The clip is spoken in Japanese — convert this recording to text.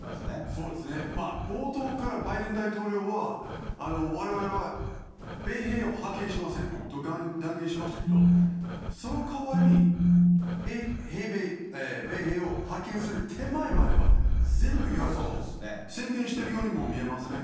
そうですね、冒頭からバイデン大統領は、われわれは米兵を派遣しませんと断言しましたけど、その代わりに米兵を派遣する手前までは全部やると宣言してるようにも見えますね。